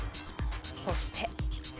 そして。